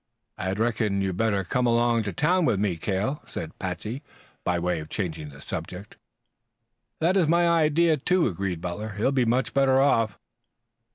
"I reckon you'd better come along to town with me, Cale," said Patsey, by way of changing the subject. "That is my idea, too," agreed Butler. "He will be much better off."